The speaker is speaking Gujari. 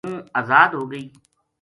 ہوں ازاد ہو گئی